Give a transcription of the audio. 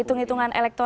itu hitungan elektronik